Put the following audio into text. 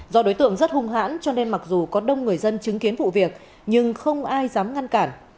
do đối tượng rất hung hãn cho nên mặc dù có đông người dân chứng kiến vụ việc nhưng không ai dám ngăn cản